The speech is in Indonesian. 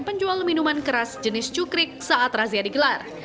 penjual minuman keras jenis cukrik saat razia digelar